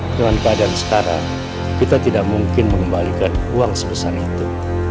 dengan keadaan sekarang kita tidak mungkin mengembalikan uang sebesar itu